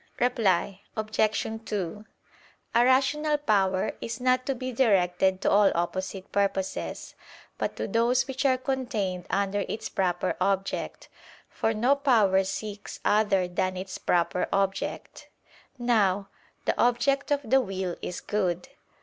Reply Obj. 2: A rational power is not to be directed to all opposite purposes, but to those which are contained under its proper object; for no power seeks other than its proper object. Now, the object of the will is good.